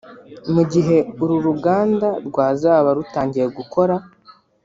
Mu gihe uru ruganda rwazaba rutangiye gukora